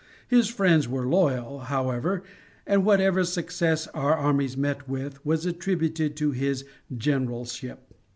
His friends were loyal, however, and whatever success our armies met with was attributed to his generalship.